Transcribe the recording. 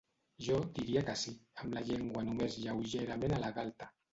Jo diria que sí, amb la llengua només lleugerament a la galta.